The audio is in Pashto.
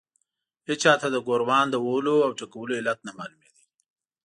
هېچا ته د ګوروان د وهلو او ټکولو علت نه معلومېده.